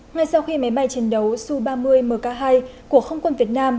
ngay sau khi máy bay chiến đấu su ba mươi mk hai của không quân việt nam